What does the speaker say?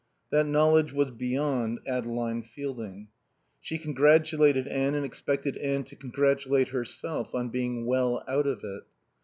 That knowledge was beyond Adeline Fielding. She congratulated Anne and expected Anne to congratulate herself on being "well out of it."